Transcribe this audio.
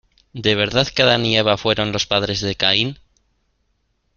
¿De verdad que Adán y Eva fueron los padres de Caín?